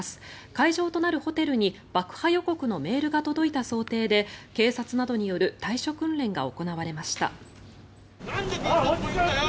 会場となるホテルに爆破予告のメールが届いた想定で警察などによる対処訓練が行われました。